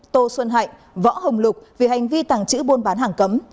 tô xuân hạnh võ hồng lục vì hành vi tàng trữ buôn bán hàng cấm